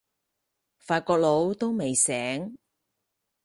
法國佬都未醒